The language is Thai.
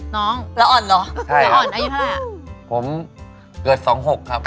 น้องผมยัง